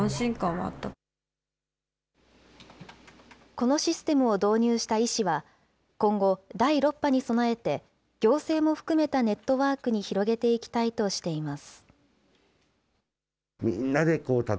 このシステムを導入した医師は、今後、第６波に備えて、行政も含めたネットワークに広げていきたいとしています。